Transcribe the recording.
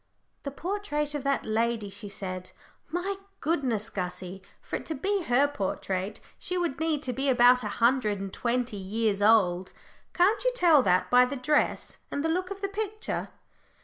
"The portrait of that lady," she said. "My goodness, Gussie! for it to be her portrait she would need to be about a hundred and twenty years old. Can't you tell that by the dress, and the look of the picture?"